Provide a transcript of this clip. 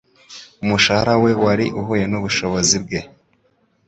umushahara we wari uhuye n'ubushobozi bwe